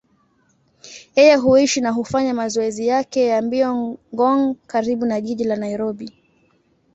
Yeye huishi na hufanya mazoezi yake ya mbio Ngong, karibu na jiji la Nairobi.